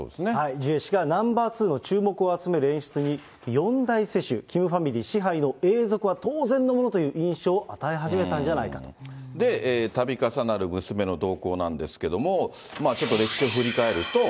ジュエ氏がナンバー２、演出に、四代世襲、キムファミリー支配の永続は当然だという印象を与え始めたんじゃたび重なる娘の動向なんですけれども、ちょっと歴史を振り返ると。